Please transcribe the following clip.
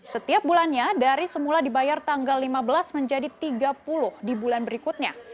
setiap bulannya dari semula dibayar tanggal lima belas menjadi tiga puluh di bulan berikutnya